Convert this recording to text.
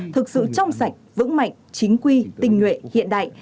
thực sự trong sạch vững mạnh chính quy tình nguyện hiện đại